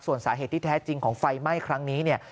ส่วนสาเหตุที่แท้จริงของไฟไหม้ครั้งนี้เนี่ย